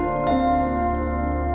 kepulauan karimun jawa